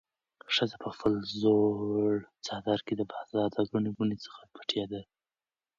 ښځه په خپل زوړ څادر کې د بازار د ګڼې ګوڼې څخه پټېده.